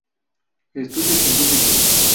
Estudios científicos